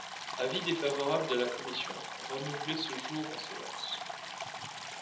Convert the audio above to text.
Avis défavorable de la commission, renouvelé ce jour en séance.